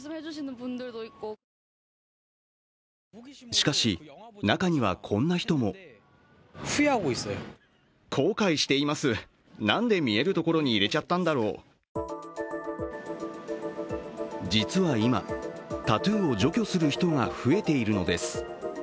しかし、中にはこんな人も実は今、タトゥーを除去する人が増えているのです。